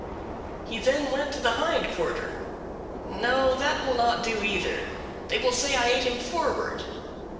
He then went to the hind quarter. "No, that will not do, either; they will say I ate him forward.